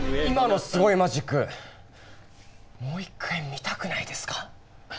今のすごいマジックもう一回見たくないですか？